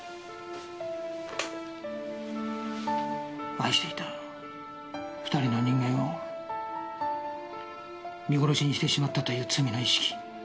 愛していた２人の人間を見殺しにしてしまったという罪の意識。